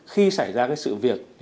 khi xảy ra sự việc